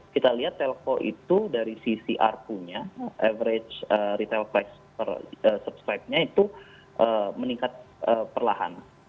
kita lihat telco itu dari sisi arpu nya average retail price per subscribe nya itu meningkat perlahan